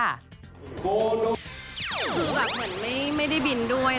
คือแบบเหมือนไม่ได้บินด้วย